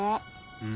うん。